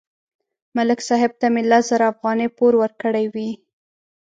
ملک صاحب ته مې لس زره افغانۍ پور ورکړې وې